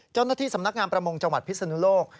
เจ้าหน้าที่สำนักงานประมงจังหวัดพิศนุโลก